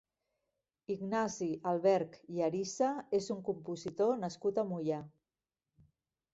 Ignasi Alberch i Arisa és un compositor nascut a Moià.